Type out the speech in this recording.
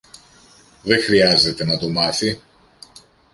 Δε χρειάζεται να το μάθει.